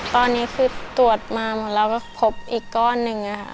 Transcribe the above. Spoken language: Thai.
ตอนนี้คือตรวจมาหมดแล้วก็พบอีกก้อนหนึ่งค่ะ